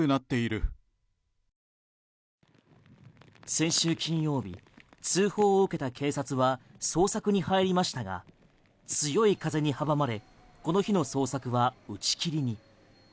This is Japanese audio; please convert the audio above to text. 先週金曜日通報を受けた警察は捜索に入りましたが強い風に阻まれこの日の捜索は打ち切りに。